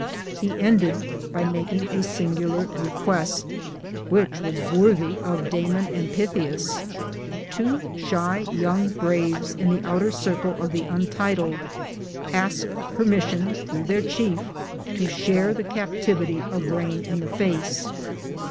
He ended by making a singular request, which was worthy of Damon and Pythias : two shy young braves in the outer circle of the untitled asked permission through 214 BOOTS AND SADDLES. their chief to share the captivity of Rain iii the facc.